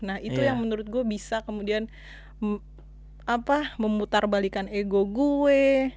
nah itu yang menurut gue bisa kemudian memutarbalikan ego gue